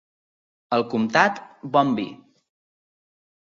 Al Comtat, bon vi.